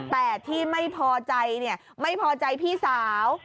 แต่ที่ไม่พอใจไม่พอใจพี่สาว